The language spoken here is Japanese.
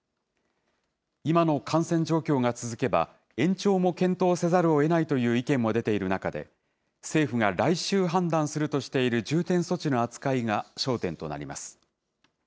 今の感染状況が続けば、延長も検討せざるをえないという意見も出ている中で、政府が来週判断するとしている重点措置の扱いが焦点となります。